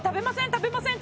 食べません？